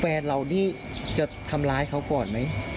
แฟนเรานี่จะทำร้ายเขาก่อนไหม